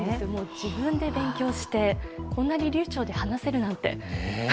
自分で勉強して、こんなに流ちょうで話せるなんて。